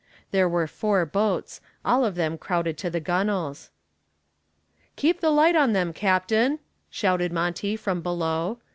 There were four boats, all of them crowded to the gunwales. "Keep the light on them, captain," shouted Monty from below.